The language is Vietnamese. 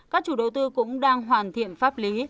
các chủ đầu tư cũng đang hoàn thiện pháp lý